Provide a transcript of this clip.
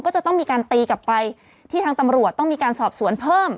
ก็จะต้องมีการตีกลับไปที่ทางตำรวจต้องมีการสอบสวนเพิ่ม